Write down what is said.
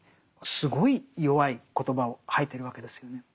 すごい弱い言葉を吐いてるわけですよね。